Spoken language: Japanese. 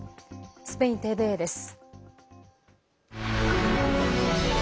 スペインＴＶＥです。